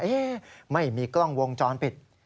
ไม่มีกล้องวงจรปิด